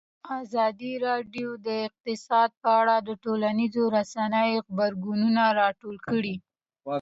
ازادي راډیو د اقتصاد په اړه د ټولنیزو رسنیو غبرګونونه راټول کړي.